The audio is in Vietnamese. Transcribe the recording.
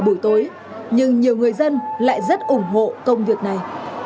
buổi tối nhưng nhiều người dân lại rất ủng hộ công việc này